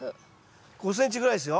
５ｃｍぐらいですよ。